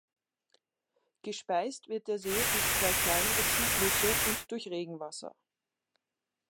Gespeist wird der See durch zwei kleinere Zuflüsse und durch Regenwasser.